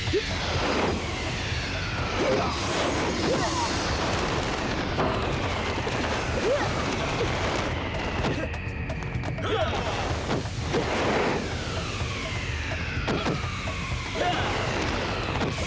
dasar siluman kau